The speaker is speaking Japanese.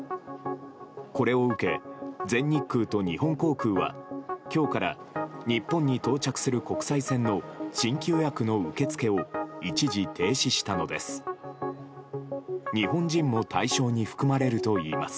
これを受け、全日空と日本航空は今日から日本に到着する国際線の新規予約の受け付けを一時停止したのです。